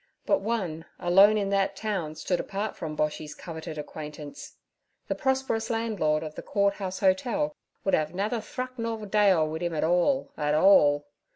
But one, alone, in that town stood apart from Boshy's coveted acquaintance. The prosperous landlord of the Court House Hotel 'wud 'ave nather thruck nor dale wid 'im at all, at all.'